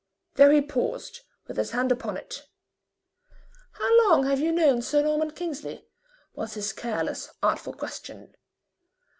There he paused, with his hand upon it. "How long have you known Sir Norman Kingsley?" was his careless, artful question.